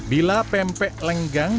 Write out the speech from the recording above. bila pempek lenggang dihidangkan